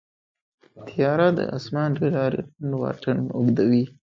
طیاره د اسمان له لارې لنډ واټن اوږدوي.